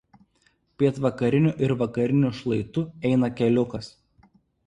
Pietvakariniu ir vakariniu šlaitu eina keliukas.